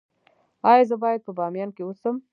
ایا زه باید په بامیان کې اوسم؟